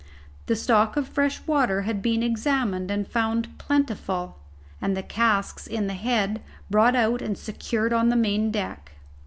The stock of fresh water had been examined and found plentiful, and the casks in the head brought out and secured on the main deck.